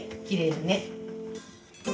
きれいだね。